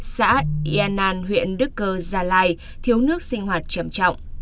xã yên an huyện đức cơ gia lai thiếu nước sinh hoạt trầm trọng